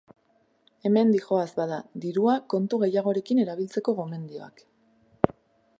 Hemen dihoaz bada, dirua kontu gehiagorekin erabiltzeko gomendioak.